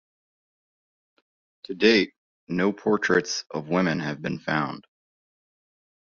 To date, no portraits of women have been found.